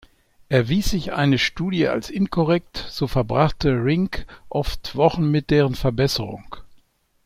Erwies sich eine Studie als inkorrekt, so verbrachte Rinck oft Wochen mit deren Verbesserung.